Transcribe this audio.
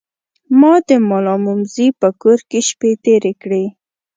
ما د ملامموزي په کور کې شپې تیرې کړې.